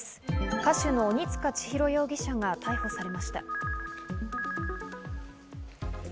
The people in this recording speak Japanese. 歌手の鬼束ちひろ容疑者が逮捕されました。